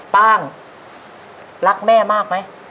ป้างรักแม่มากไหม